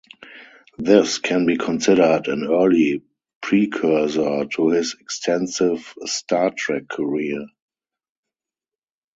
This can be considered an early precursor to his extensive "Star Trek" career.